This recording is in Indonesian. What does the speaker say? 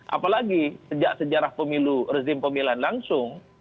apalagi sejak sejarah pemilu rezim pemilihan langsung